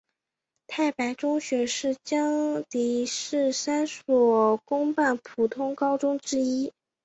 太白中学是江油市三所公办普通高中之一。